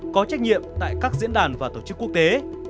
có trách nhiệm tại các diễn đàn và tổ chức quốc tế